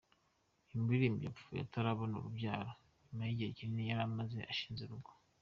Uyu muririmbyi apfuye atarabona urubyaro nyuma y’igihe kinini yari amaze ashinze urugo.